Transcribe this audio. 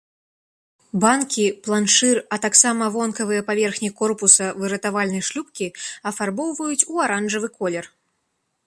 Банкі, планшыр, а таксама вонкавыя паверхні корпуса выратавальнай шлюпкі афарбоўваюць у аранжавы колер.